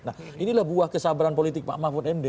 nah inilah buah kesabaran politik pak mahfud md